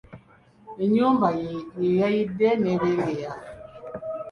Ennyumba ye yayidde n'ebengeya